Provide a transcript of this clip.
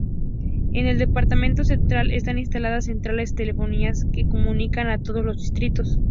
En el Departamento Central están instaladas centrales telefónicas que comunican a todos los distritos.